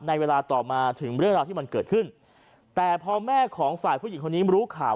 ในเวลาต่อมาถึงเรื่องราวที่มันเกิดขึ้นแต่พอแม่ของฝ่ายผู้หญิงคนนี้รู้ข่าว